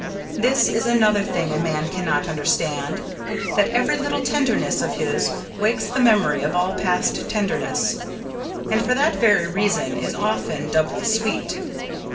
This is another thing a man cannot understand that every little tenderness of his wakes the memory of all past tenderness, and for that very reason is often doubly sweet.